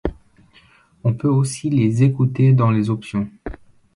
On peut aussi les écouter dans les options.